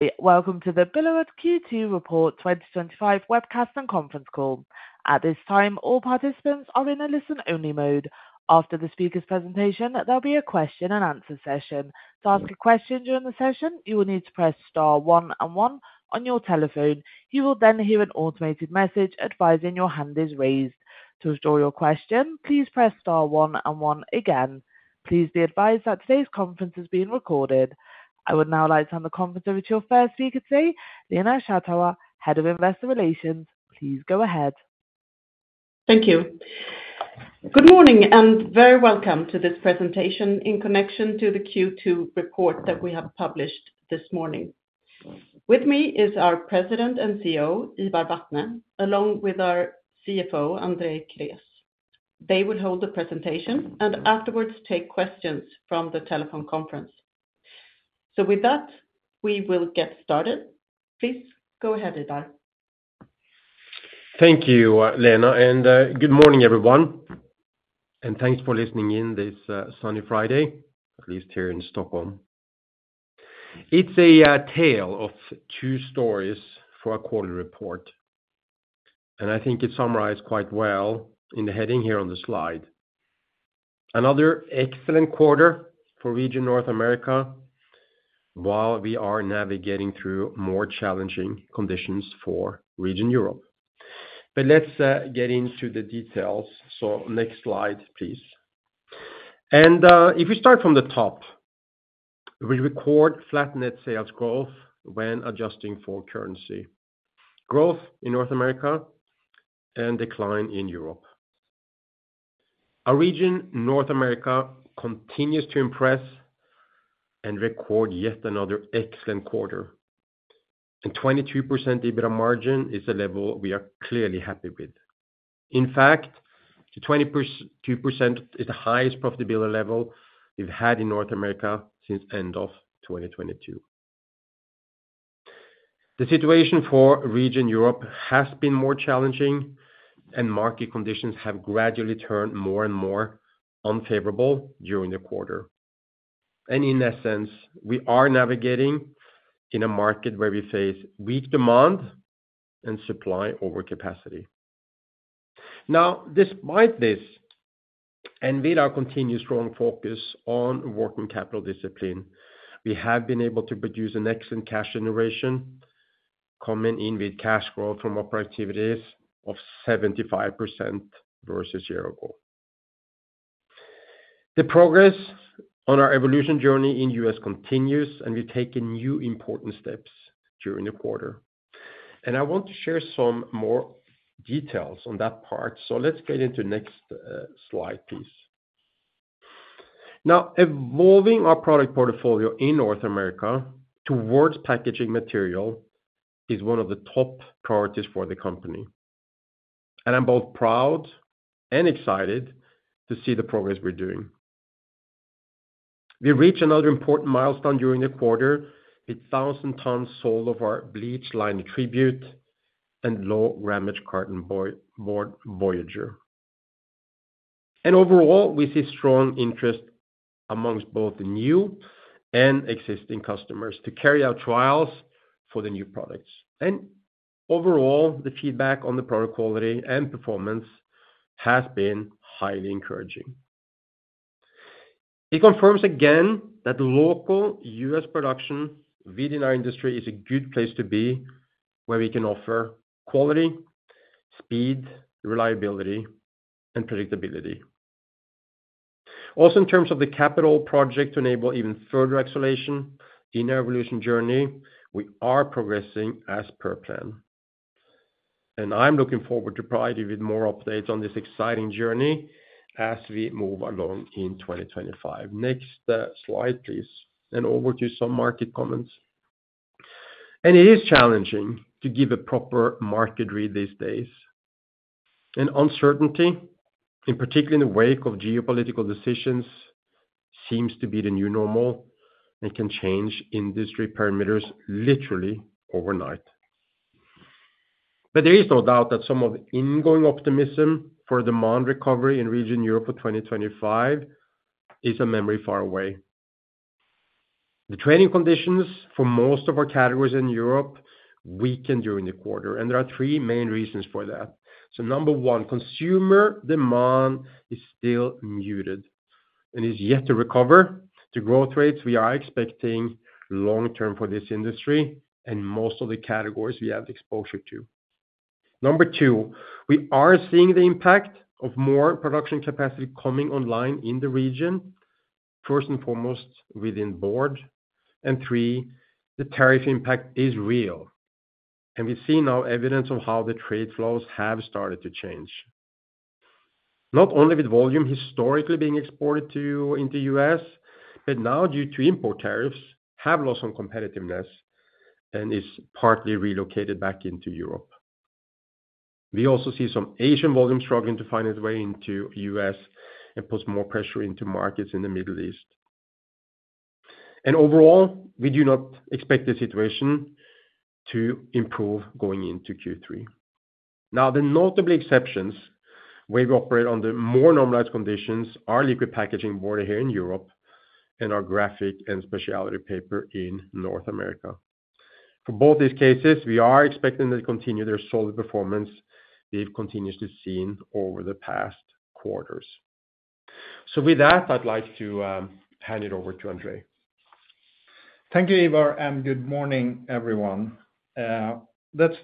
by. Welcome to the Billiard Q2 Report twenty twenty five Webcast and Conference Call. At this time, all participants are in a listen only mode. After the speakers' presentation, there'll be a question and answer session. Please be advised that today's conference is being recorded. I would now like to hand the conference over to your first speaker today, Lina Shatawa, Head of Investor Relations. Please go ahead. Thank you. Good morning and very welcome to this presentation in connection to the Q2 report that we have published this morning. With me is our President and CEO, Ilberg Vatne, along with our CFO, Andre Kriess. They will hold the presentation and afterwards take questions from the telephone conference. So with that, we will get started. Please go ahead, Ivar. Thank you, Lena, and good morning, everyone. And thanks for listening in this sunny Friday, at least here in Stockholm. It's a tale of two stories for our quarterly report. And I think it summarized quite well in the heading here on the slide. Another excellent quarter for Region North America, while we are navigating through more challenging conditions for Region Europe. But let's get into the details. So next slide, please. And if we start from the top, we record flat net sales growth when adjusting for currency. Growth in North America and decline in Europe. Our region North America continues to impress and record yet another excellent quarter. And 22% EBITDA margin is a level we are clearly happy with. In fact, the 22% is the highest profitability level we've had in North America since end of twenty twenty two. The situation for Region Europe has been more challenging and market conditions have gradually turned more and more unfavorable during the quarter. And in essence, we are navigating in a market where we face weak demand and supply overcapacity. Now, despite this, and with our continued strong focus on working capital discipline, we have been able to produce an excellent cash generation, coming in with cash flow from opera activities of 75% versus year ago. The progress on our evolution journey in U. S. Continues, and we've taken new important steps during the quarter. And I want to share some more details on that part. So let's get into next slide, please. Now, evolving our product portfolio in North America towards packaging material is one of the top priorities for the company. And I'm both proud and excited to see the progress we're doing. We reached another important milestone during the quarter with 1,000 tons sold of our bleach line attribute and low ramage carton board Voyager. And overall, we see strong interest amongst both the new and existing customers to carry out trials for the new products. And overall, the feedback on the product quality and performance has been highly encouraging. It confirms again that local US production VD9 industry is a good place to be where we can offer quality, speed, reliability, and predictability. Also in terms of the capital project to enable even further acceleration in evolution journey, we are progressing as per plan. And I'm looking forward to provide you with more updates on this exciting journey as we move along in 2025. Next slide, please. And over to some market comments. And it is challenging to give a proper market read these days. And uncertainty, in particular in the wake of geopolitical decisions, seems to be the new normal and can change industry parameters literally overnight. But there is no doubt that some of the ingoing optimism for demand recovery in Region Europe for 2025 is a memory far away. The trading conditions for most of our categories in Europe weakened during the quarter, and there are three main reasons for that. So number one, consumer demand is still muted and is yet to recover the growth rates we are expecting long term for this industry and most of the categories we have exposure to. Number two, we are seeing the impact of more production capacity coming online in the region, first and foremost within board, and three, the tariff impact is real. And we see now evidence of how the trade flows have started to change. Not only with volume historically being exported to in The US, but now due to import tariffs have lost some competitiveness and is partly relocated back into Europe. We also see some Asian volumes struggling to find its way into US and put more pressure into markets in The Middle East. And overall, we do not expect the situation to improve going into Q3. Now, notable exceptions where we operate under more normalized conditions are liquid packaging border here in Europe and our graphic and specialty paper in North America. For both these cases, we are expecting to continue their solid performance we've continuously seen over the past quarters. So with that, I'd like to hand it over to Andre. Thank you, Ivar, and good morning, everyone. Let's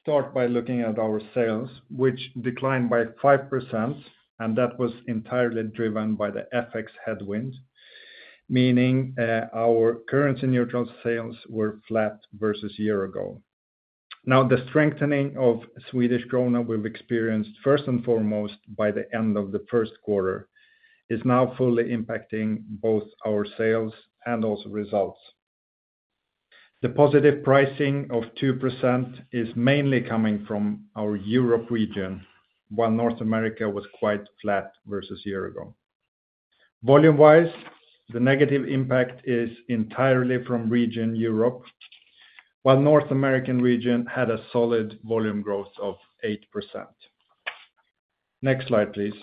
start by looking at our sales, which declined by 5% and that was entirely driven by the FX headwinds, meaning our currency neutral sales were flat versus a year ago. Now the strengthening of Swedish krona we've experienced first and foremost by the end of the first quarter is now fully impacting both our sales and also results. The positive pricing of 2% is mainly coming from our Europe region, while North America was quite flat versus a year ago. Volume wise, the negative impact is entirely from region Europe, while North American region had a solid volume growth of 8%. Next slide, please.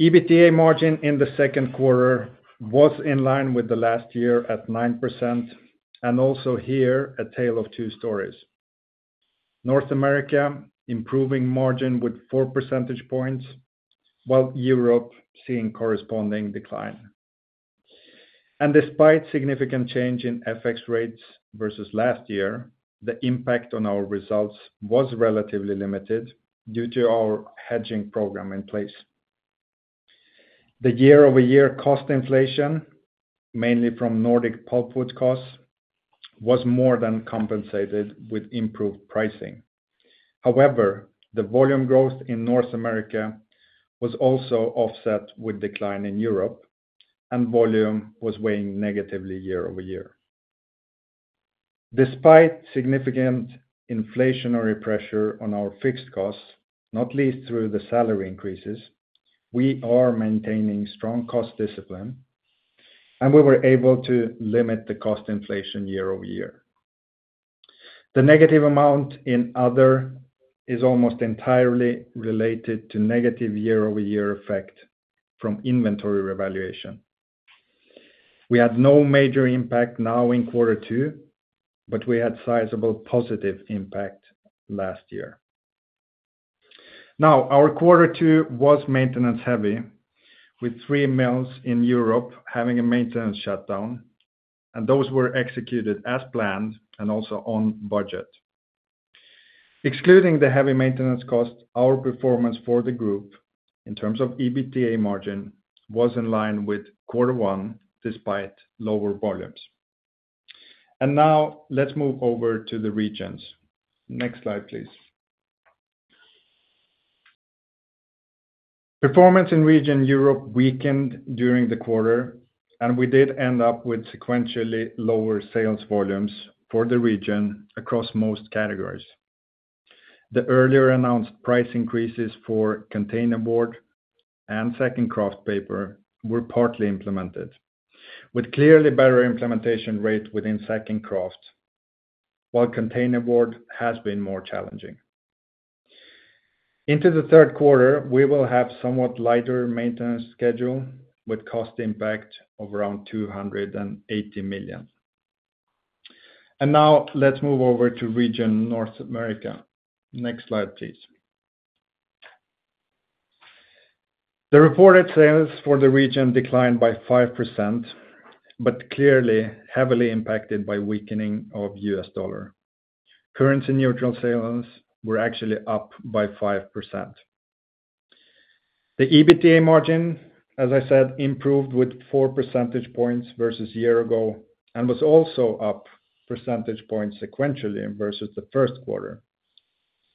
EBITDA margin in the second quarter was in line with the last year at 9% and also here a tale of two stories. North America improving margin with four percentage points, while Europe seeing corresponding decline. And despite significant change in FX rates versus last year, the impact on our results was relatively limited due to our hedging program in place. The year over year cost inflation, mainly from Nordic pulpwood costs, was more than compensated with improved pricing. However, the volume growth in North America was also offset with decline in Europe, and volume was weighing negatively year over year. Despite significant inflationary pressure on our fixed costs, not least through the salary increases, we are maintaining strong cost discipline, and we were able to limit the cost inflation year over year. The negative amount in Other is almost entirely related to negative year over year effect from inventory revaluation. We had no major impact now in quarter two, but we had sizable positive impact last year. Now our quarter two was maintenance heavy with three mills in Europe having a maintenance shutdown, and those were executed as planned and also on budget. Excluding the heavy maintenance costs, our performance for the group in terms of EBITDA margin was in line with quarter one, despite lower volumes. And now let's move over to the regions. Next slide, please. Performance in Region Europe weakened during the quarter, and we did end up with sequentially lower sales volumes for the region across most categories. The earlier announced price increases for containerboard and second kraft paper were partly implemented, with clearly better implementation rate within second kraft, while containerboard has been more challenging. Into the third quarter, we will have somewhat lighter maintenance schedule with cost impact of around SEK $280,000,000. And now let's move over to region North America. Next slide, please. The reported sales for the region declined by 5%, but clearly heavily impacted by weakening of U. S. Dollar. Currency neutral sales were actually up by 5%. The EBITDA margin, as I said, improved with four percentage points versus a year ago and was also up percentage points sequentially versus the first quarter.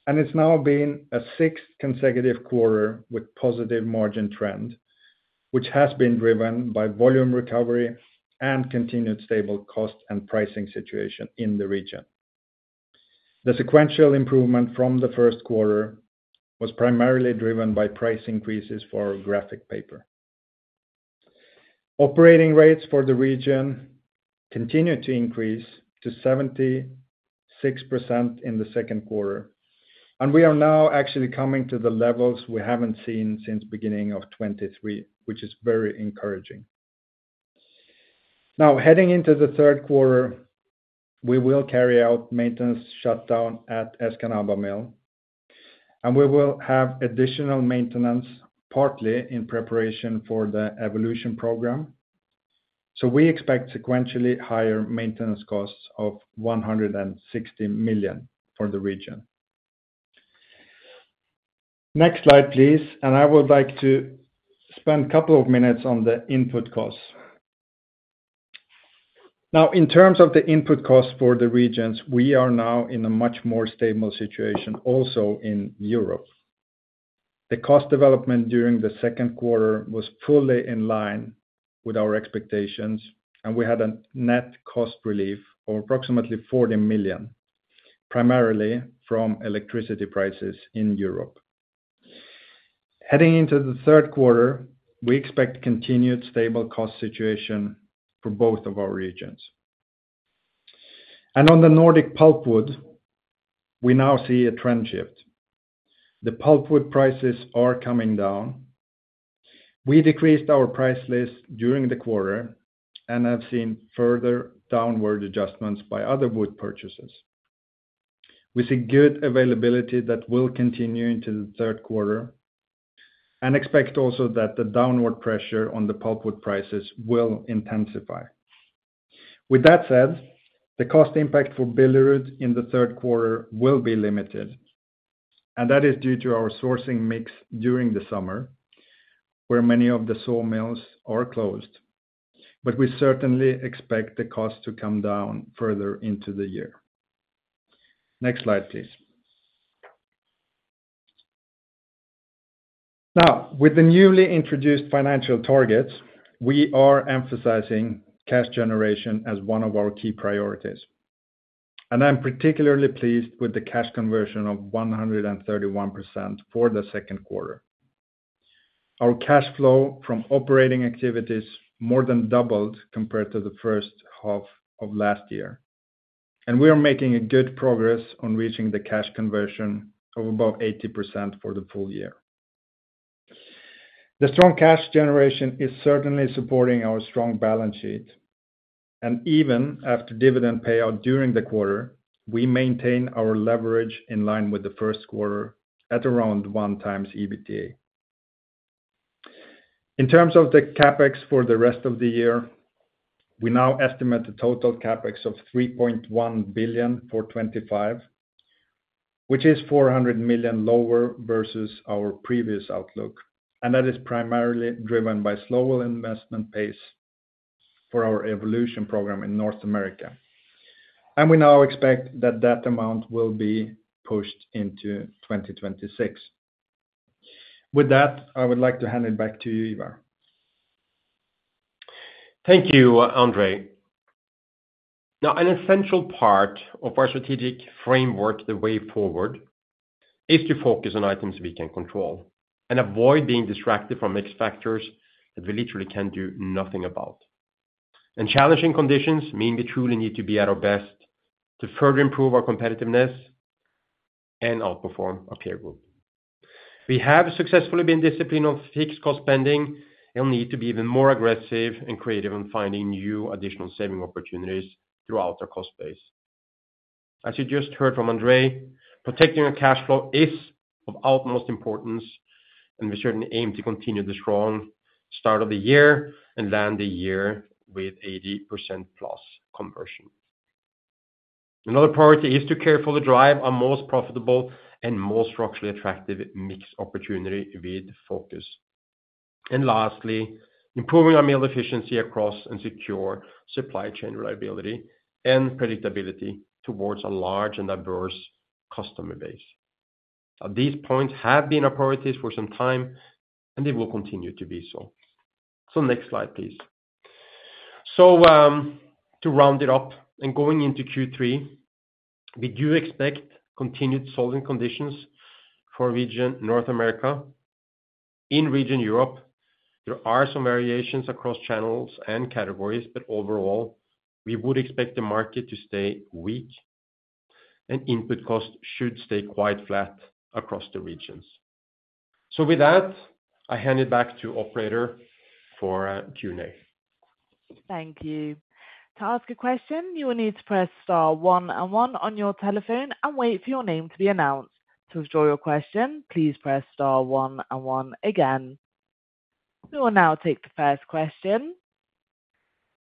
And it's now been a sixth consecutive quarter with positive margin trend, which has been driven by volume recovery and continued stable cost and pricing situation in the region. The sequential improvement from the first quarter was primarily driven by price increases for graphic paper. Operating rates for the region continued to increase to 76% in the second quarter. And we are now actually coming to the levels we haven't seen since beginning of 'twenty three, which is very encouraging. Now heading into the third quarter, we will carry out maintenance shutdown at Escanaba Mill, and we will have additional maintenance partly in preparation for the evolution program. So we expect sequentially higher maintenance costs of 160,000,000 for the region. Next slide, please. And I would like to spend a couple of minutes on the input costs. Now, in terms of the input costs for the regions, we are now in a much more stable situation also in Europe. The cost development during the second quarter was fully in line with our expectations, and we had a net cost relief of approximately 40 million, primarily from electricity prices in Europe. Heading into the third quarter, we expect continued stable cost situation for both of our regions. And on the Nordic pulpwood, we now see a trend shift. The pulpwood prices are coming down. We decreased our price list during the quarter and have seen further downward adjustments by other wood purchases. We see good availability that will continue into the third quarter and expect also that the downward pressure on the pulpwood prices will intensify. With that said, the cost impact for billiard in the third quarter will be limited, and that is due to our sourcing mix during the summer, where many of the sawmills are closed, but we certainly expect the cost to come down further into the year. Next slide, please. Now, with the newly introduced financial targets, we are emphasizing cash generation as one of our key priorities. And I'm particularly pleased with the cash conversion of 131% for the second quarter. Our cash flow from operating activities more than doubled compared to the first half of last year. And we are making a good progress on reaching the cash conversion of above 80% for the full year. The strong cash generation is certainly supporting our strong balance sheet. And even after dividend payout during the quarter, we maintain our leverage in line with the first quarter at around one times EBITDA. In terms of the CapEx for the rest of the year, we now estimate the total CapEx of 3,100,000,000.0 for 'twenty five, which is 400,000,000 lower versus our previous outlook. And that is primarily driven by slower investment pace for our evolution program in North America. And we now expect that that amount will be pushed into 2026. With that, I would like to hand it back to you, Ivar. Thank you, Andre. Now an essential part of our strategic framework, the way forward, is to focus on items we can control and avoid being distracted from mixed factors that we literally can't do nothing about. And challenging conditions mean we truly need to be at our best to further improve our competitiveness and outperform our peer group. We have successfully been disciplined on fixed cost spending and need to be even more aggressive and creative on finding new additional saving opportunities throughout our cost base. As you just heard from Andre, protecting our cash flow is of utmost importance, and we certainly aim to continue the strong start of the year and land the year with 80% plus conversion. Another priority is to carefully drive our most profitable and most structurally attractive mix opportunity with focus. And lastly, improving our meal efficiency across and secure supply chain reliability and predictability towards a large and diverse customer base. These points have been our priorities for some time, and they will continue to be so. So next slide, please. So to round it up and going into Q3, we do expect continued solving conditions for region North America. In Region Europe, there are some variations across channels and categories, but overall, we would expect the market to stay weak and input costs should stay quite flat across the regions. So with that, I hand it back to operator for Q and A. Thank you. We will now take the first question.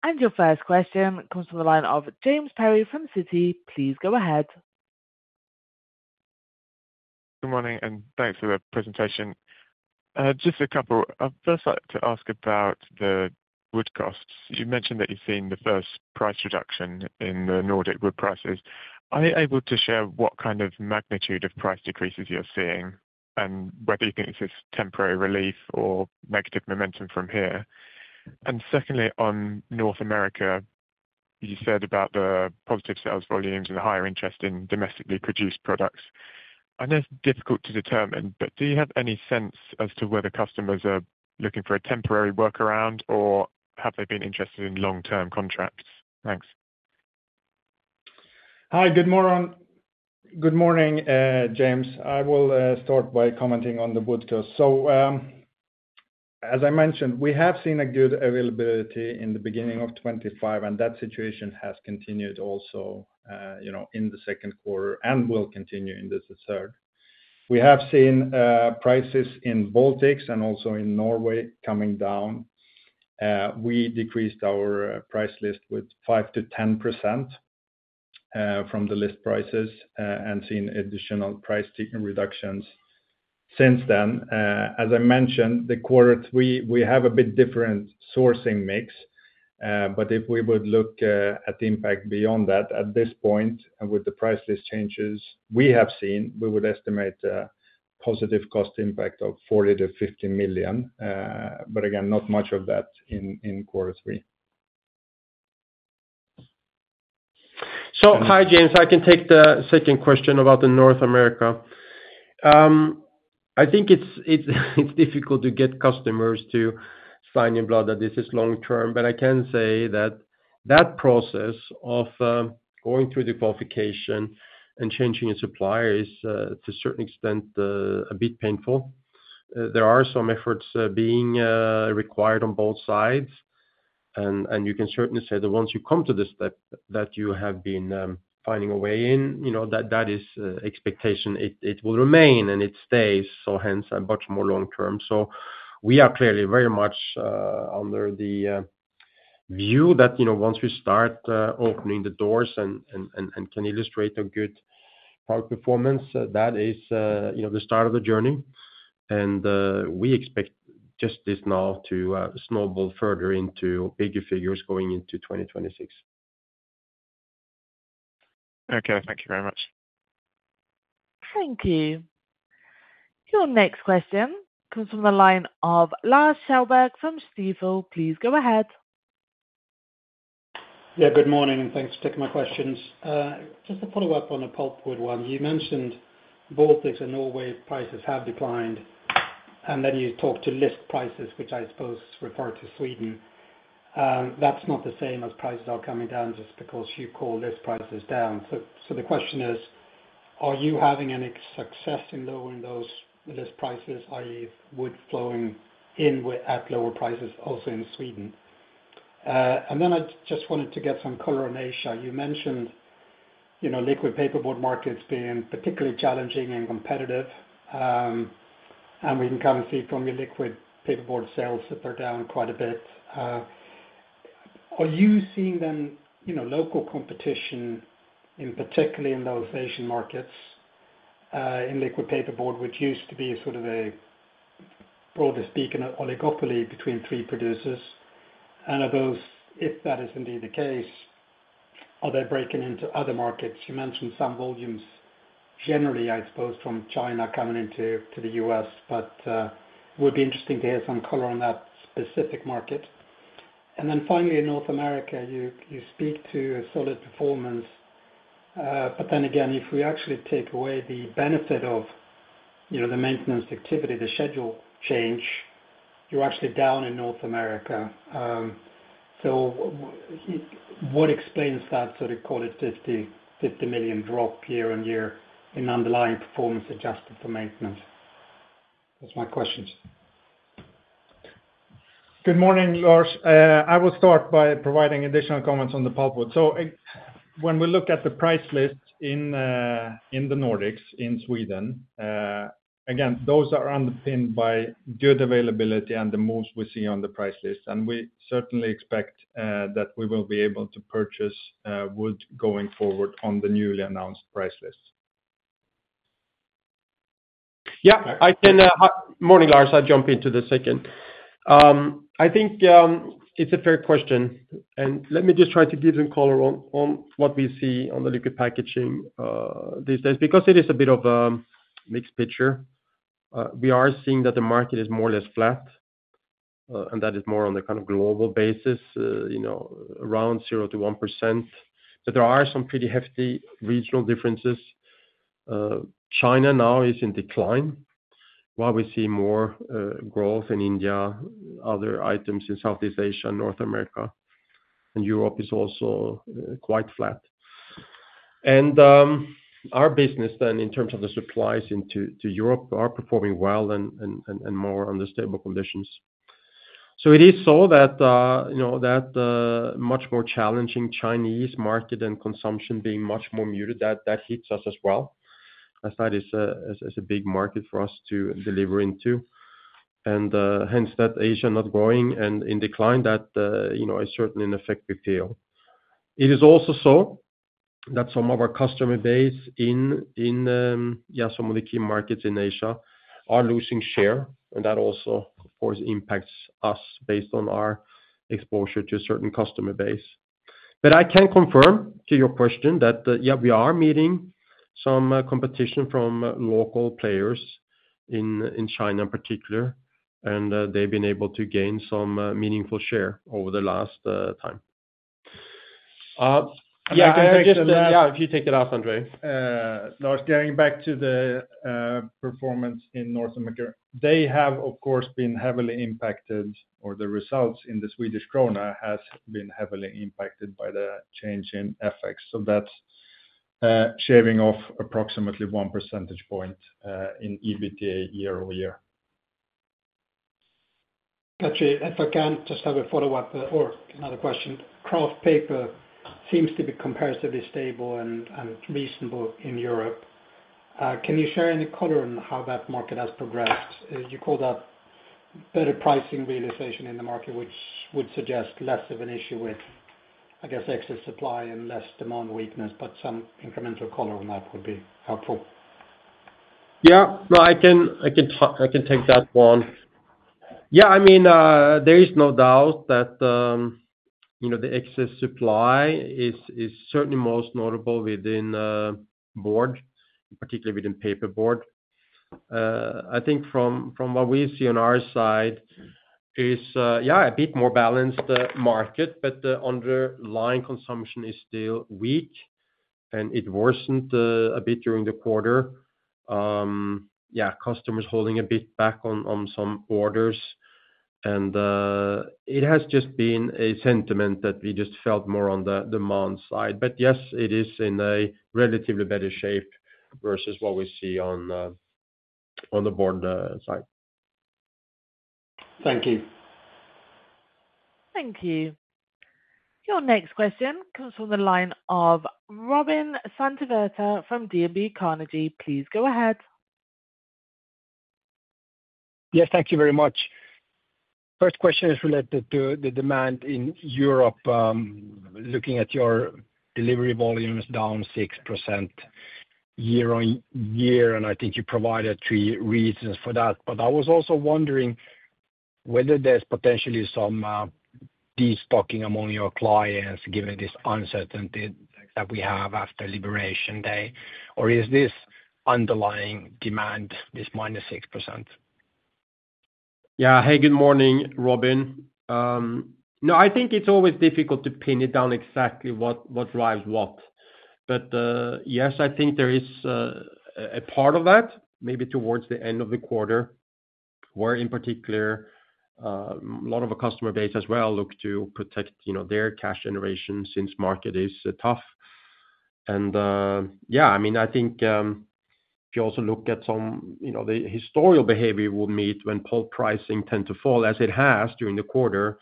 And your first question comes from the line of James Perry from Citi. Please go ahead. Good morning and thanks for the presentation. Just a couple. First, I'd to ask about the wood costs. You mentioned that you've seen the first price reduction in the Nordic wood prices. Are you able to share what kind of magnitude of price decreases you're seeing? And whether you think this is temporary relief or negative momentum from here? And secondly, on North America, you said about the positive sales volumes and the higher interest in domestically produced products. I know it's difficult to determine, but do you have any sense as to whether customers are looking for a temporary workaround or have they been interested in long term contracts? Thanks. Hi, good morning, James. I will start by commenting on the Wood Coast. So, as I mentioned, we have seen a good availability in the '25 and that situation has continued also, you know, in the second quarter and will continue in the third. We have seen prices in Baltics and also in Norway coming down. We decreased our price list with five to 10% from the list prices and seen additional price reductions since then. As I mentioned, the quarter three, we have a bit different sourcing mix. But if we would look at the impact beyond that at this point, with the price list changes we have seen, we would estimate positive cost impact of 40 to 50,000,000. But again, not much of that in quarter three. So hi, James, I can take the second question about the North America. I think it's difficult to get customers to sign in blood that this is long term. But I can say that that process of going through the qualification and changing your supplier is to a certain extent a bit painful. There are some efforts being required on both sides. And you can certainly say that once you come to the step that you have been finding a way in, you know, that is expectation. It will remain and it stays. So hence a much more long term. So we are clearly very much under the view that, you know, once we start opening the doors and can illustrate a good product performance, that is, you know, the start of the journey. And we expect just this now to snowball further into bigger figures going into 2026. Okay. Thank you very much. Thank you. Your next question comes from the line of Lars Kjellberg from Stifel. Please go ahead. Yes, good morning and thanks for taking my questions. Just a follow-up on the pulpwood one. You mentioned, both this in Norway prices have declined And then you talked to list prices, which I suppose refer to Sweden. That's not the same as prices are coming down just because you call list prices down. So the question is, are you having any success in lowering those prices I. E. Wood flowing in at lower prices also in Sweden? And then I just wanted to get some color on Asia. You mentioned liquid paperboard markets being particularly challenging and competitive. And we can kind of see from your liquid paperboard sales that are down quite a bit. Are you seeing them local competition in particularly in those Asian markets in liquid paperboard, which used to be sort of a broader speak an oligopoly between three producers. And of those, if that is indeed the case, are they breaking into other markets? You mentioned some volumes generally, suppose from China coming into The U. S, but would be interesting to hear some color on that specific market. And then finally in North America, you speak to solid performance. But then again, if we actually take away the benefit of the maintenance activity, the schedule change, you're actually down in North America. So what explains that sort of call it 50,000,000 drop year on year in underlying performance adjusted for maintenance? That's my questions. Good morning, Lars. I will start by providing additional comments on the pulpwood. So when we look at the price list in The Nordics, in Sweden, again, are underpinned by good availability and the most we see on the price list. And we certainly expect that we will be able to purchase wood going forward on the newly announced price list. Yeah, I can. Morning Lars, I'll jump into the second. I think it's a fair question. And let me just try to give some color on what we see on the liquid packaging these days, because it is a bit of a mixed picture. We are seeing that the market is more or less flat and that is more on the kind of global basis, around zero to 1%. But there are some pretty hefty regional differences. China now is in decline, while we see more growth in India, other items in Southeast Asia and North America and Europe is also quite flat. And our business then in terms of the supplies into Europe are performing well and more under stable conditions. So it is so that much more challenging Chinese market and consumption being much more muted. That hits us as well as that is a big market for us to deliver into. And hence that Asia not growing and in decline that, you know, is certainly an effective tail. It is also so that some of our customer base in some of the key markets in Asia are losing share. And that also, of course, impacts us based on our exposure to a certain customer base. But I can confirm to your question that, yeah, we are meeting some competition from local players in China in particular, and they've been able to gain some meaningful share over the last time. Yeah. If you take it off, Andrei. Lars, going back to the performance in North America, they have, of course, been heavily impacted or the results in the Swedish krona has been heavily impacted by the change in FX. So that's shaving off approximately one percentage point in EBITDA year over year. Got you. If I can just have a follow-up or another question. Kraft paper seems to be comparatively stable and reasonable in Europe. Can you share any color on how that market has progressed? You called out better pricing realization in the market, which would suggest less of an issue with, I guess, excess supply and less demand weakness, but some incremental color on that would be helpful. Yeah, no, I can take that one. Yeah, I mean, there is no doubt that, you know, the excess supply is certainly most notable within board, particularly within paperboard. I think from what we see on our side is, yeah, a bit more balanced market, but the underlying consumption is still weak and it worsened a bit during the quarter. Yeah, customers holding a bit back on some borders And it has just been a sentiment that we just felt more on the demand side. But yes, it is in a relatively better shape versus what we see on the border side. Thank you. Thank you. Your next question comes from the line of Robin Santavirta from DNB Carnegie. Please go ahead. Yes, thank you very much. First question is related to the demand in Europe. Looking at your delivery volumes down 6% year on year, and I think you provided three reasons for that. But I was also wondering whether there's potentially some destocking among your clients given this uncertainty that we have after Liberation Day? Or is this underlying demand this minus 6%? Yeah. Hey, good morning, Robin. No, I think it's always difficult to pin it down exactly what drives what. But yes, I think there is a part of that maybe towards the end of the quarter, where in particular, lot of our customer base as well look to protect, you know, their cash generation since market is tough. And yeah, I mean, I think if you also look at some, you know, the historical behavior we'll meet when pulp pricing tend to fall as it has during the quarter.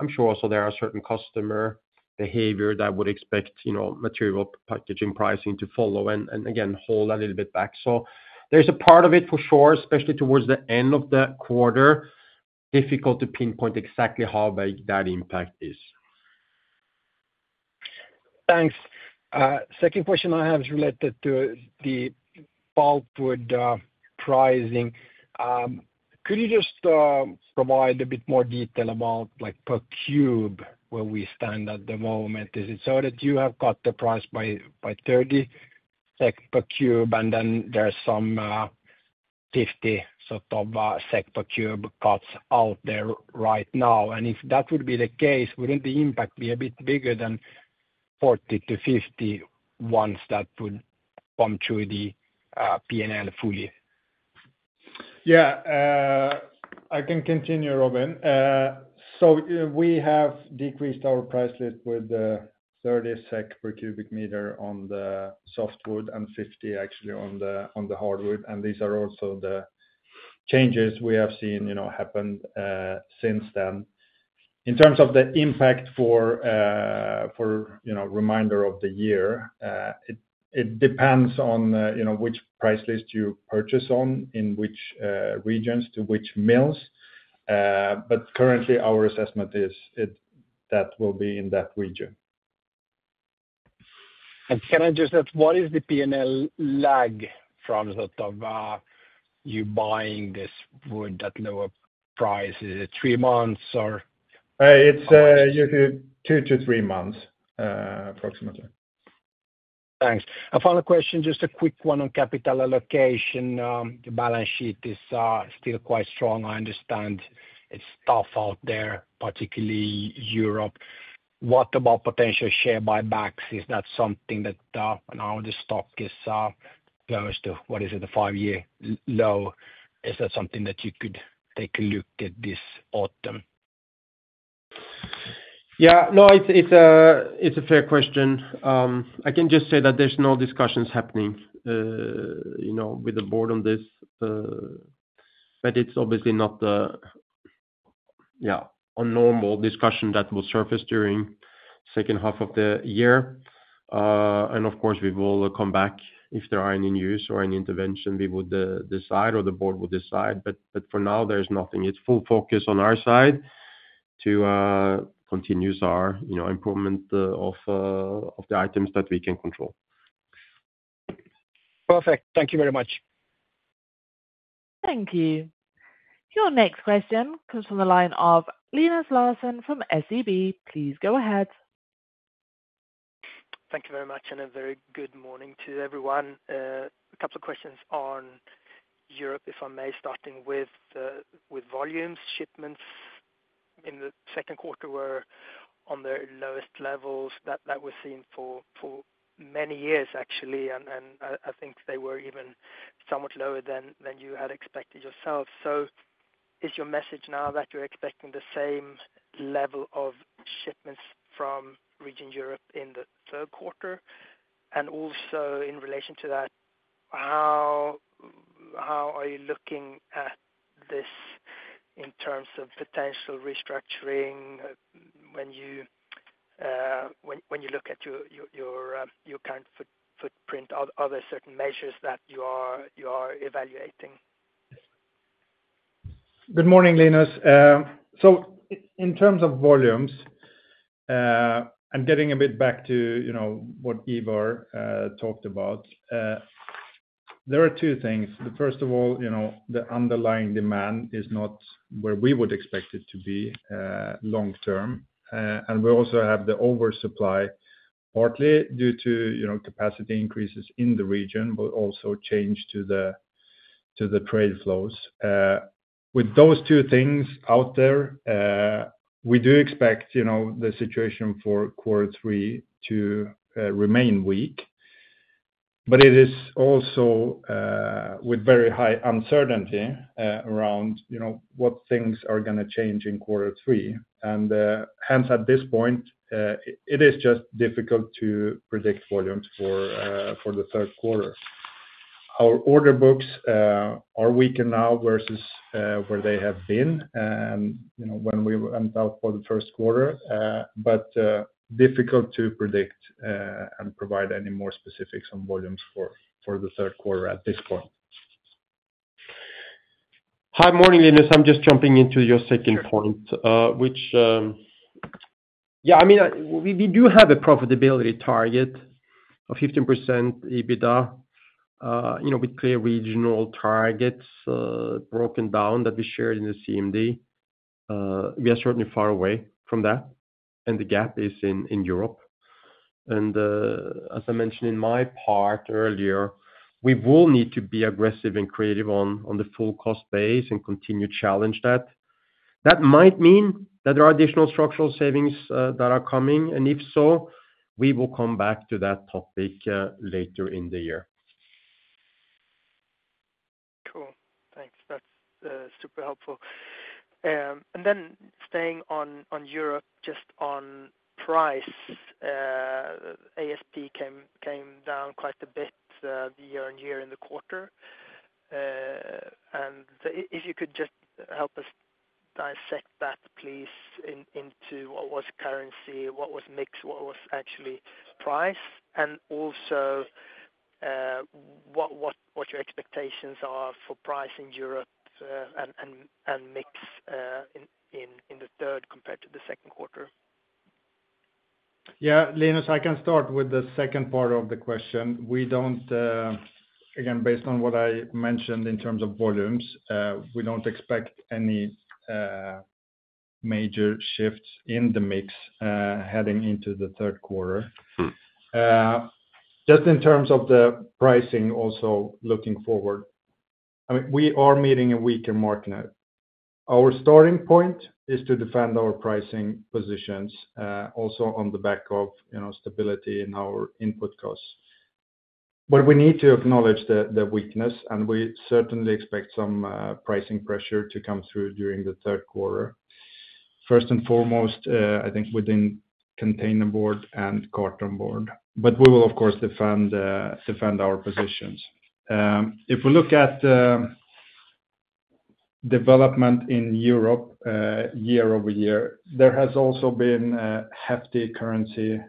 I'm sure also there are certain customer behavior that would expect, you know, material packaging pricing to follow and again, hold a little bit back. So there's a part of it for sure, especially towards the end of the quarter, difficult to pinpoint exactly how big that impact is. Thanks. Second question I have is related to the pulpwood pricing. Could you just provide a bit more detail about, like, per cube where we stand at the moment. Is it sort of you have got the price by 30 SEK per cube and then there's some 50 sort of SEK per cube cuts out there right now? And if that would be the case, wouldn't the impact be a bit bigger than 40 to 50 once that would come through the P and L fully? Yes. I can continue, Robin. So we have decreased our price list with 30 SEK per cubic meter on the softwood and 50 actually on hardwood. And these are also the changes we have seen, you know, happened since then. In terms of the impact for, you know, reminder of the year, it depends on, you know, which price list you purchase on in which regions to which mills. But currently, our assessment is that will be in that region. And can I just ask what is the P and L lag from sort of you buying this wood at lower prices, three months or It's usually two to three months approximately? Thanks. A final question, just a quick one on capital allocation. The balance sheet is still quite strong. I understand it's tough out there, particularly Europe. What about potential share buybacks? Is that something that now the stock is close to what is it, the five year low? Is that something that you could take a look at this autumn? Yes. No, it's a fair question. I can just say that there's no discussions happening, you know, with the board on this, but it's obviously not a normal discussion that will surface during second half of the year. And of course, we will come back if there are any news or any intervention we would decide or the board will decide. But for now, there's nothing. It's full focus on our side to continue our, you know, improvement of the items that we can control. Perfect. Thank you very much. Thank you. Your next question comes from the line of Linus Larsson from SEB. Please go ahead. Thank you very much and a very good morning to everyone. A couple of questions on Europe, if I may, starting with volumes. Shipments in the second quarter were on their lowest levels that that was seen for for many years actually, and and I I think they were even somewhat lower than than you had expected yourself. So is your message now that you're expecting the same level of shipments from Region Europe in the third quarter? And also in relation to that, how how are you looking at this in terms of potential restructuring when you when when you look at your your your current footprint, are there certain measures that you are evaluating? Good morning, Linus. So in terms of volumes, I'm getting a bit back to what Ivar talked about. There are two things. The first of all, you know, the underlying demand is not where we would expect it to be long term. And we also have the oversupply partly due to capacity increases in the region, but also change to the trade flows. With those two things out there, we do expect the situation for quarter three to remain weak, but it is also with very high uncertainty around, you know, what things are gonna change in quarter three. And hence at this point, it is just difficult to predict volumes for the third quarter. Our order books are weakened now versus where they have been, you know, when we were about for the first quarter, but difficult to predict and provide any more specifics on volumes for the third quarter at this point. Hi, good morning Linus. I'm just jumping into your second which yeah, mean, we do have a profitability target of 15% EBITDA with clear regional targets broken down that we shared in the CMD. We are certainly far away from that. And the gap is in Europe. And as I mentioned in my part earlier, we will need to be aggressive and creative on the full cost base and continue to challenge that. That might mean that there are additional structural savings that are coming. And if so, we will come back to that topic later in the year. Cool. Thanks. That's super helpful. And then staying on on Europe, just on price, ASP came came down quite a bit year on year in the quarter. And if you could just help us dissect that, please, in into what was currency, what was mix, what was actually price, and also what your expectations are for price in Europe and mix the third compared to the second quarter? Yes. Linus, I can start with the second part of the question. We don't again, based on what I mentioned in terms of volumes, we don't expect any major shifts in the mix heading into the third quarter. Just in terms of the pricing also looking forward, I mean, we are meeting a weaker market now. Our starting point is to defend our pricing positions also on the back of stability in our input costs. But we need to acknowledge the weakness, and we certainly expect some pricing pressure to come through during the third quarter. First and foremost, I think within containerboard and carton board, but we will, of course, defend our positions. If we look at development in Europe year over year, there has also been a hefty currency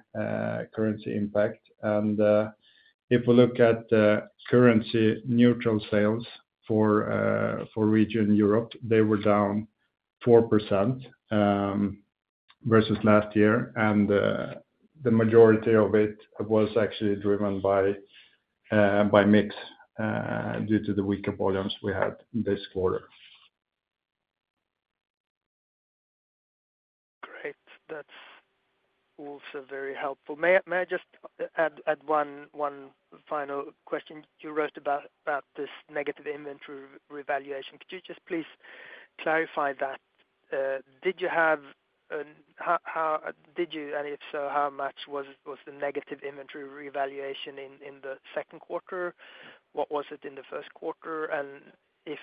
impact. And if we look at currency neutral sales for Region Europe, they were down 4% versus last year. And the majority of it was actually driven by mix due to the weaker volumes we had this quarter. Great. That's also very helpful. May I may I just add add one one final question? You wrote about about this negative inventory revaluation. Could you just please clarify that? Did you have and did you and if so, how much was the negative inventory revaluation in the second quarter? What was it in the first quarter? And if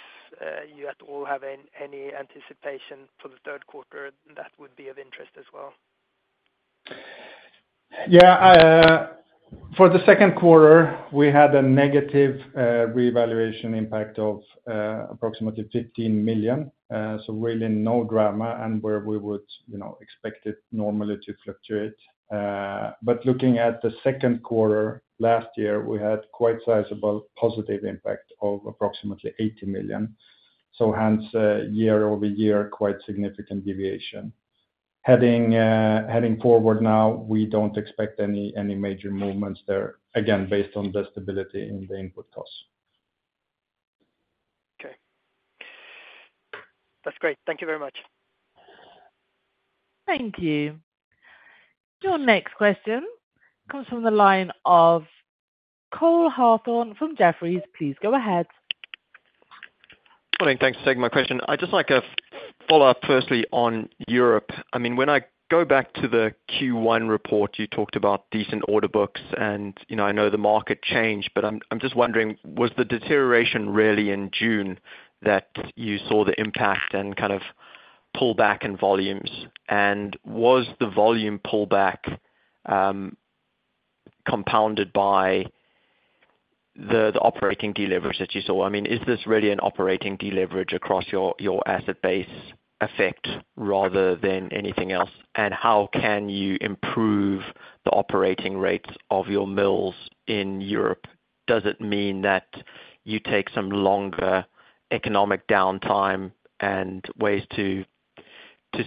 you at all have any anticipation for the third quarter that would be of interest as well? Yeah. For the second quarter, we had a negative revaluation impact of approximately 15,000,000. So really no drama and where we would, you know, expect it normally to fluctuate. But looking at the second quarter last year, we had quite sizable positive impact of approximately 80,000,000. So hence, year over year, quite significant deviation. Heading forward now, we don't expect any major movements there, again, based on the stability in the input costs. Okay. That's great. Thank you very much. Thank you. Your next question comes from the line of Cole Harthorn from Jefferies. Please go ahead. Good morning. Thanks for taking my question. I just like a follow-up firstly on Europe. I mean, I go back to the Q1 report, you talked about decent order books and I know the market changed, but I'm just wondering was the deterioration really in June that you saw the impact and kind of pullback in volumes? And was the volume pullback compounded by the operating deleverage that you saw? I mean, is this really an operating deleverage across your asset base effect rather than anything else? And how can you improve the operating rates of your mills in Europe? Does it mean that you take some longer economic downtime and ways to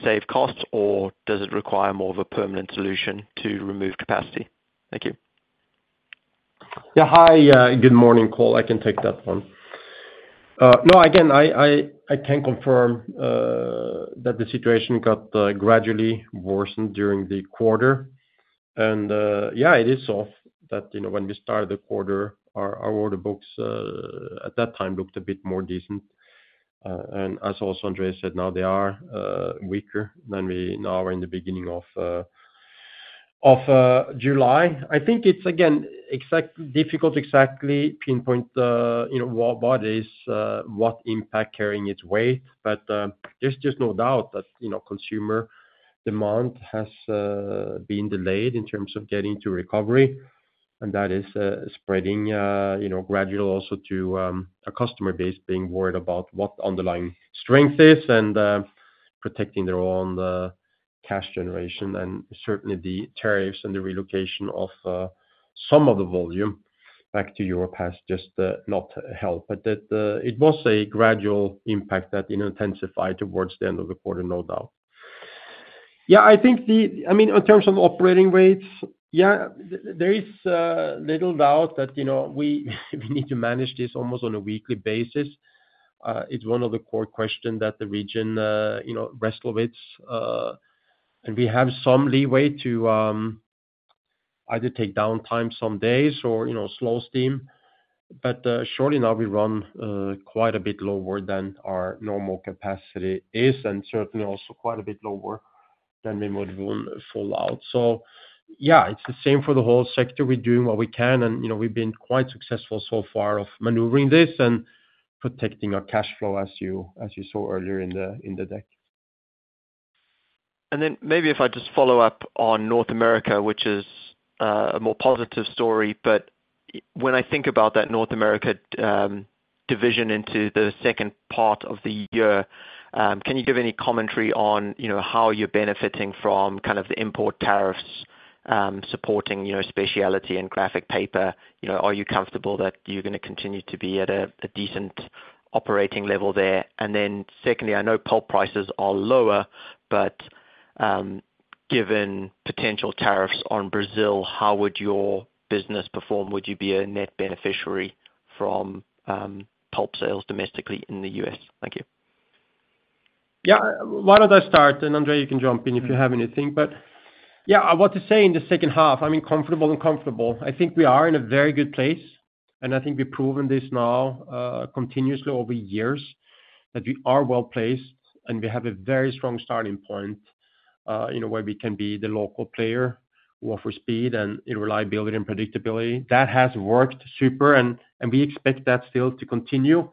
save costs or does it require more of a permanent solution to remove capacity? Thank you. Yeah. Hi. Good morning, Cole. I can take that one. No, again, can confirm that the situation got gradually worsened during the quarter. And yeah, it is off that when we started the quarter, our order books at that time looked a bit more decent. And as also Andreas said, now they are weaker than we now are in the July. I think it's again difficult to exactly pinpoint, you know, what is what impact carrying its weight. But there's just no doubt that, you know, consumer demand has been delayed in terms of getting to recovery. And that is spreading, you know, gradual also to a customer base being worried about what underlying strength is and protecting their own cash generation and certainly the tariffs and the relocation of some of the volume back to Europe has just not helped. It was a gradual impact that intensified towards the end of the quarter, no doubt. Yeah, I think the I mean, in terms of operating rates, yeah, there is little doubt that, you know, we need to manage this almost on a weekly basis. It's one of the core question that the region, you know, wrestle with. And we have some leeway to either take downtime some days or slow steam. But surely now we run quite a bit lower than our normal capacity is and certainly also quite a bit lower than we would have on the fallout. So, yeah, it's the same for the whole sector. We're doing what we can and, you know, we've been quite successful so far of maneuvering this and protecting our cash flow as you saw earlier in the deck. And then maybe if I just follow-up on North America, which is a more positive story. But when I think about that North America division into the second part of the year, can you give any commentary on how you're benefiting from kind of the import tariffs supporting specialty and graphic paper? Are you comfortable that you're going to continue to be at a decent operating level there? And then secondly, I know pulp prices are lower, but, given potential tariffs on Brazil, how would your business perform? Would you be a net beneficiary from pulp sales domestically in The US? Thank you. Yeah, why don't I start and Andre you can jump in if you have anything. Yeah, I want to say in the second half, I mean comfortable and comfortable. I think we are in a very good place And I think we've proven this now continuously over years that we are well placed and we have a very strong starting point where we can be the local player who offer speed and reliability and predictability. That has worked super and we expect that still to continue.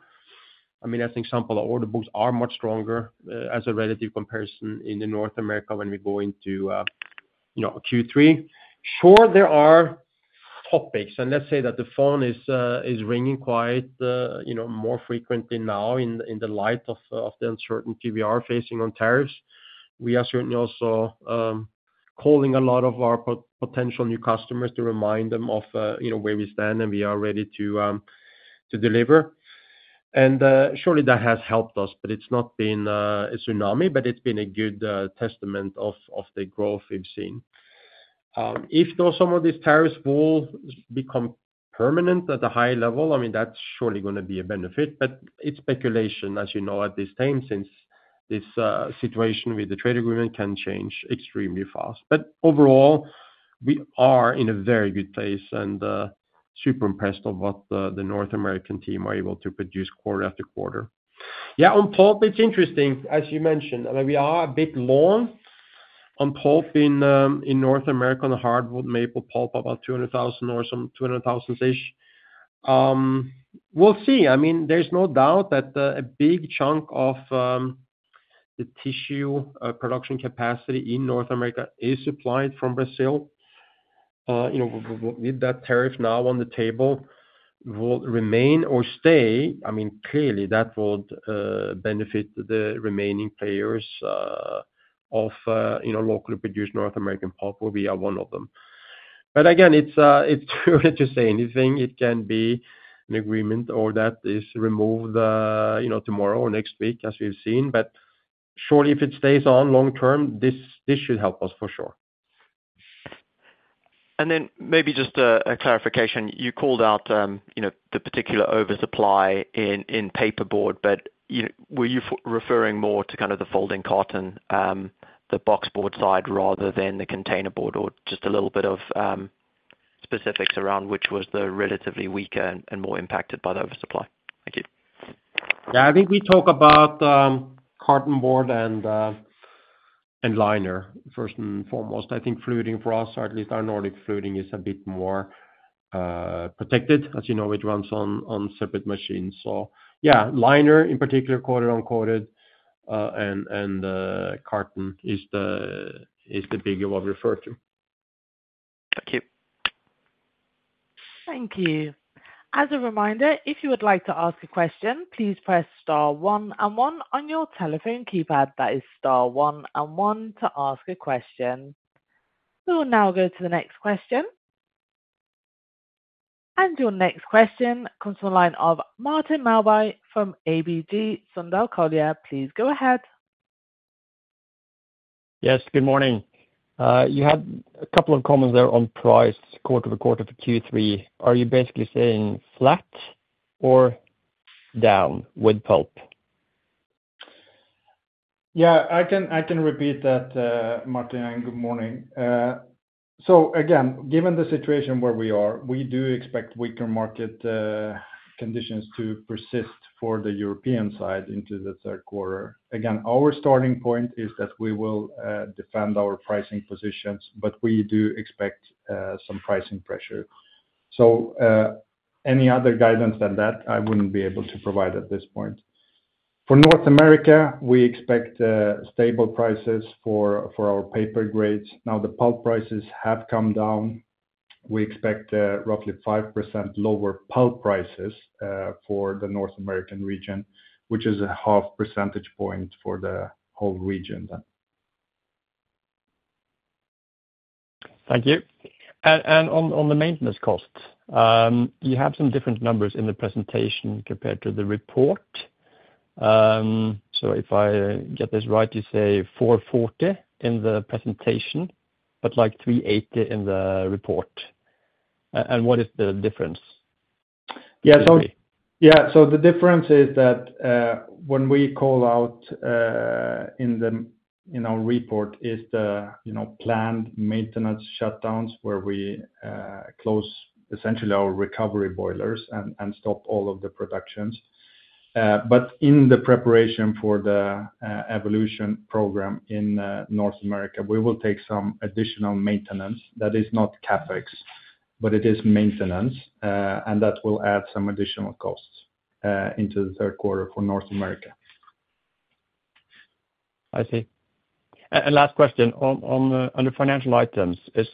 I mean, as an example, our order books are much stronger as a relative comparison in the North America when we go into Q3. Sure, there are topics and let's say that the phone is ringing quite more frequently now in the light of the uncertainty we are facing on tariffs. We are certainly also calling a lot of our potential new customers to remind them of where we stand and we are ready to deliver. And surely that has helped us, but it's not been a tsunami, but it's been a good testament of the growth we've seen. If though some of these tariffs will become permanent at a high level, I mean, that's surely going to be a benefit. But it's speculation, as you know, at this time since this situation with the trade agreement can change extremely fast. But overall, we are in a very good place and super impressed of what the North American team are able to produce quarter after quarter. Yeah, on pulp, it's interesting, as you mentioned, we are a bit long on pulp in North America on the hardwood maple pulp about 200,000 or some 200,000 ish. We'll see. I mean, there's no doubt that a big chunk of the tissue production capacity in North America is supplied from Brazil. You know, with that tariff now on the table will remain or stay. I mean, clearly, that would benefit the remaining players of, you know, locally produced North American pulp where we are one of them. But again, it's too early to say anything. It can be an agreement or that is removed, you know, tomorrow or next week as we've seen. But surely, if it stays on long term, this this should help us for sure. And then maybe just a a clarification. You called out, you know, the particular oversupply in paperboard, but were you referring more to kind of the folding carton, the boxboard side rather than the containerboard? Or just a little bit of specifics around which was the relatively weaker and more impacted by the oversupply? Thank you. Yeah, think we talk about carton board and liner first and foremost. Think fluting for us or at least our Nordic fluting is a bit more protected, as you know, which runs on on separate machines. Yeah, liner in particular, coated, uncoated, and carton is the the bigger what we refer to. Thank you. Thank you. We'll now go to the next question. And your next question comes from the line of Martin Malby from ABG Sundal Collier. Please go ahead. Yes. Good morning. You had a couple of comments there on price quarter to quarter for Q3. Are you basically saying flat or down with pulp? Yeah, I can repeat that, Martina, and good morning. So again, given the situation where we are, we do expect weaker market conditions to persist for the European side into the third quarter. Again, our starting point is that we will defend our pricing positions, but we do expect some pricing pressure. So any other guidance than that, I wouldn't be able to provide at this point. For North America, we expect stable prices for for our paper grades. Now the pulp prices have come down. We expect roughly 5% lower pulp prices for the North American region, which is a half percentage point for the whole region then. Thank you. On on the maintenance costs, you have some different numbers in the presentation compared to the report. So if I get this right, you say four forty in the presentation, but, like, $3.80 in the report. And what is the difference? Yeah. So, so the difference is that when we call out in you know, report is the, you know, planned maintenance shutdowns where we close essentially our recovery boilers and stop all of the productions. But in the preparation for the evolution program in North America, we will take some additional maintenance that is not CapEx, but it is maintenance, and that will add some additional costs into the third quarter for North America. I see. And last question. Financial On items, is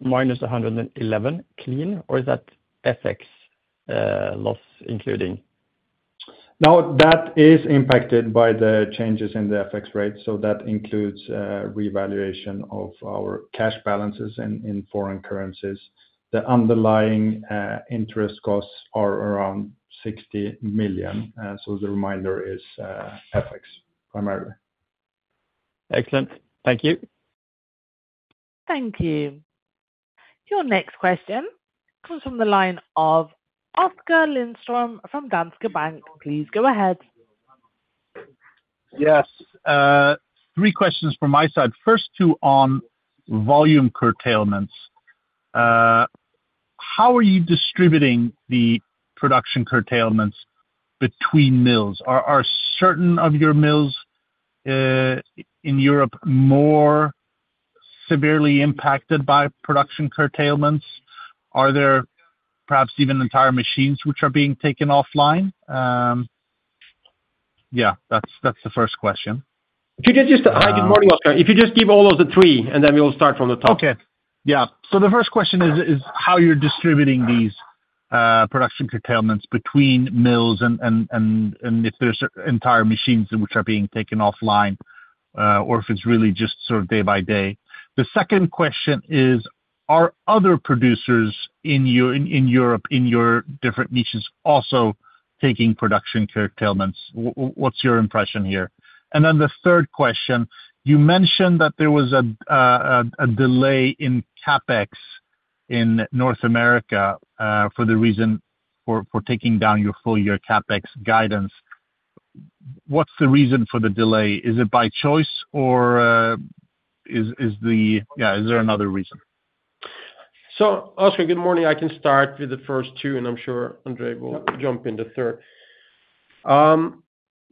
minus 111 clean, or is that FX loss including? No. That is impacted by the changes in the FX rate. So that includes re evaluation of our cash balances in foreign currencies. The underlying interest costs are around 60,000,000. So the reminder is FX primarily. Excellent. Thank you. Thank you. Your next question comes from the line of Oscar Lindstrom from Danske Bank. Please go ahead. Yes. Three questions from my side. First, two on volume curtailments. How are you distributing the production curtailments between mills? Are are certain of your mills in Europe more severely impacted by production curtailments? Are there perhaps even entire machines which are being taken offline? Yes, that's the first question. If you could just hi. Good morning, Oscar. If you just give all of the three, and then we'll start from the top. Okay. Yeah. So the first question is is how you're distributing these production curtailments between mills and and and and if there's entire machines in which are being taken offline or if it's really just sort of day by day? The second question is, are other producers in Europe, in your different niches also taking production curtailments? What's your impression here? And then the third question, you mentioned that there was a delay in CapEx in North America for the reason for taking down your full year CapEx guidance. What's the reason for the delay? Is it by choice or is the yeah, is there another reason? Oskar, good morning. I can start with the first two and I'm sure Andre will jump in the third.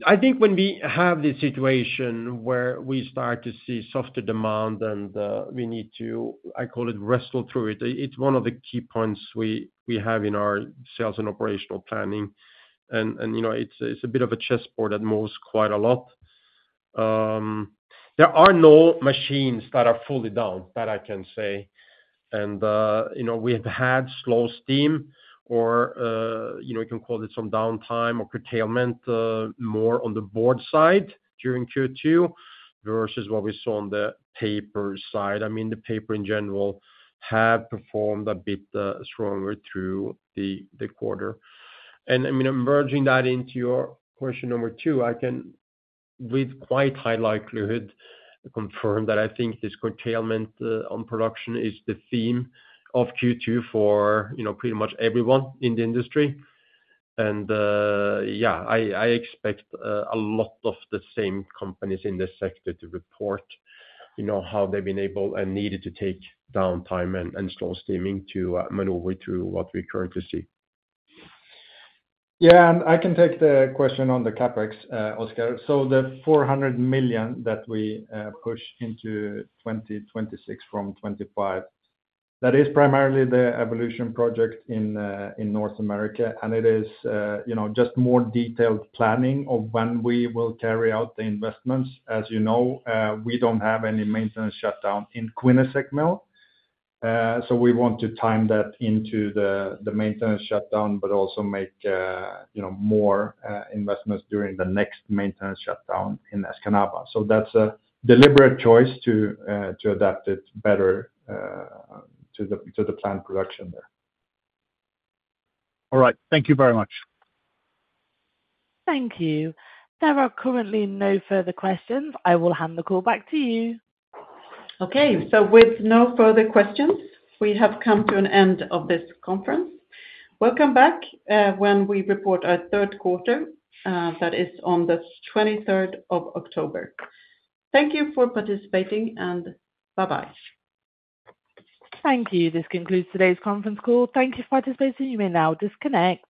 I think when we have this situation where we start to see softer demand and we need to, I call it, wrestle through it, it's one of the key points we have in our sales and operational planning. And it's a bit of a chessboard at most quite a lot. There are no machines that are fully down that I can say. And we have had slow steam or, you know, you can call it some downtime or curtailment more on the board side during Q2 versus what we saw on the paper side. I mean, the paper in general have performed a bit stronger through the quarter. And I mean, emerging that into your question number two, I can with quite high likelihood confirm that I think this curtailment on production is the theme of Q2 for, you know, pretty much everyone in the industry. And, yeah, I expect a lot of the same companies in this sector to report, you know, how they've been able and needed to take downtime and slow steaming to maneuver through what we currently see. Yeah, I can take the question on the CapEx, Oscar. So the 400,000,000 that we push into 2026 from 'twenty five, That is primarily the Evolution project in North America. And it is, you know, just more detailed planning of when we will carry out the investments. As you know, we don't have any maintenance shutdown in Quinosec Mill. So we want to time that into the maintenance shutdown, but also make, you know, more investments during the next maintenance shutdown in Escanaba. So that's a deliberate choice to adapt it better to the planned production there. All right, thank you very much. Thank you. There are currently no further questions. I will hand the call back to you. Okay. So with no further questions, we have come to an end of this conference. Welcome back when we report our third quarter, that is on the October 23. Thank you for participating and bye bye. Thank you. This concludes today's conference call. Thank you for participating. You may now disconnect.